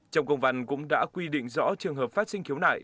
trong công văn cũng đã quy định rõ trường hợp phát sinh khiếu nại